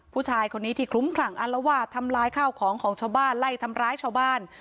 ผู้ชายคนนี้ที่คลุ้มคลั่งอารวาสทำลายข้าวของของชาวบ้านไล่ทำร้ายชาวบ้าน